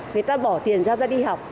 người ta bỏ tiền ra đi học